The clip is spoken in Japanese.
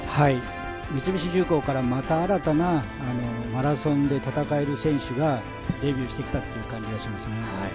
三菱重工から、また新たなマラソンで戦える選手がデビューしてきたという感じがしますね。